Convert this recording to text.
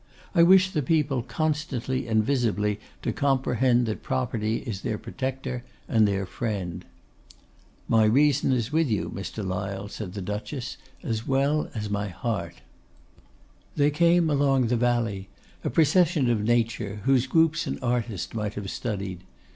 I wish the people constantly and visibly to comprehend that Property is their protector and their friend.' 'My reason is with you, Mr. Lyle,' said the Duchess, 'as well as my heart.' They came along the valley, a procession of Nature, whose groups an artist might have studied.